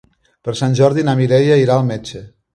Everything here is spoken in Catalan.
Per Sant Jordi na Mireia irà al metge.